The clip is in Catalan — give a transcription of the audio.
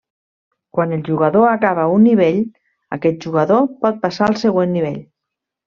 Quan el jugador acaba un nivell, aquest jugador pot passar al següent nivell.